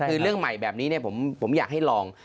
คือเรื่องใหม่แบบนี้ผมอยากให้ลอง